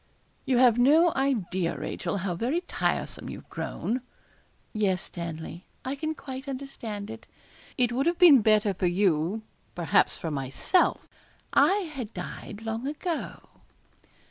'You have no idea, Rachel, how very tiresome you've grown.' 'Yes, Stanley, I can quite understand it. It would have been better for you, perhaps for myself, I had died long ago.'